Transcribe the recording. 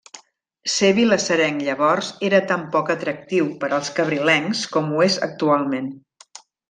Ser vilassarenc llavors era tan poc atractiu per als cabrilencs com ho és actualment.